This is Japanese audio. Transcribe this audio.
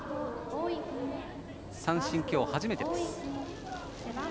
三振は今日初めてです。